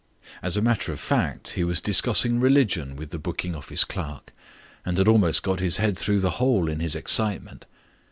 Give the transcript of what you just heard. As a matter of fact, he was discussing religion with the booking office clerk, and had almost got his head through the hole in his excitement.